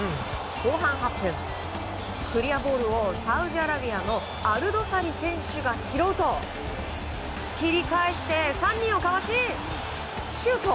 後半８分、クリアボールをサウジアラビアのアルドサリ選手が拾うと切り返して３人をかわしシュート！